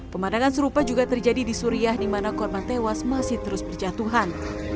pemandangan serupa juga terjadi di suriah di mana korban tewas masih terus berjatuhan